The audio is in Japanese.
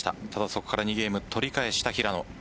そこから２ゲームを取り返した平野。